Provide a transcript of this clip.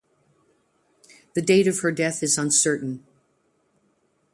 The date of her death is uncertain.